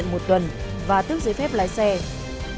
có hình thức là tuyên truyền nhắc nhở